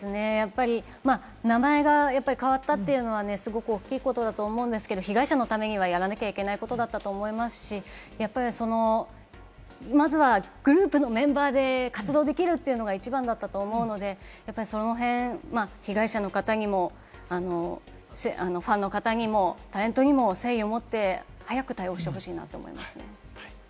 そうですね、名前が変わったというのは、すごく大きいことだと思うんですけれども、被害者のためにはやらなきゃいけないことだったと思いますし、まずはグループのメンバーで活動できるというのが一番だったと思うので、その辺、被害者の方にもファンの方にも、タレントにも誠意を持って、早く対応してほしいなと思いますね。